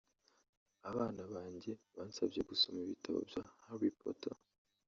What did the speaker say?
Abana banjye bansabye gusoma ibitabo bya Harry Potter